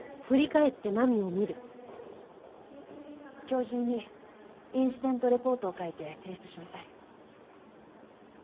今日中にインシデントレポートを書いて提出しなさい。